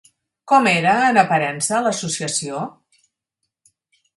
Com era en aparença l'associació?